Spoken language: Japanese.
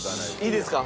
いいですか？